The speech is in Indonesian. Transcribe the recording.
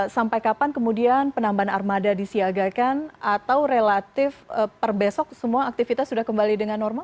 sampai kapan kemudian penambahan armada disiagakan atau relatif per besok semua aktivitas sudah kembali dengan normal